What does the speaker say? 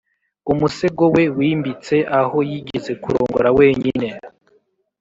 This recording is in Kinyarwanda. umusego we wimbitse aho yigeze kurongora wenyine,